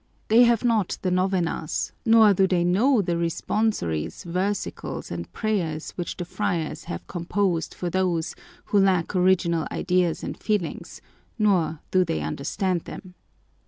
They have not the novenas, nor do they know the responsories, versicles, and prayers which the friars have composed for those who lack original ideas and feelings, nor do they understand them.